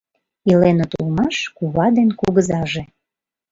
Иленыт улмаш кува ден кугызаже.